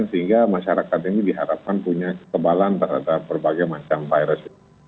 sehingga masyarakat ini diharapkan punya kekebalan terhadap berbagai macam virus